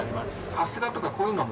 カステラとかこういうのも。